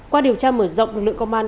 qua điều tra mở rộng lực lượng công an